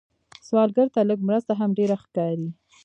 سوالګر ته لږ مرسته هم ډېره ښکاري